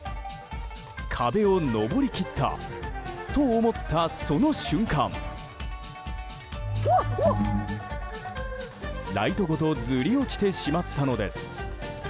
壁を登り切ったと思ったその瞬間ライトごとずり落ちてしまったのです。